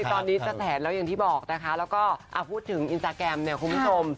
ตอนนี้จะแสนแล้วอย่างที่บอกนะคะแล้วก็พูดถึงอินสตาแกรมเนี่ยคุณผู้ชม